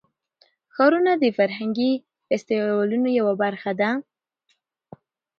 ښارونه د فرهنګي فستیوالونو یوه برخه ده.